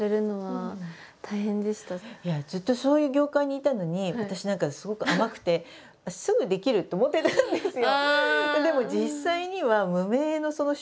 ずっとそういう業界にいたのに私何かすごく甘くてすぐできると思ってたんですよ。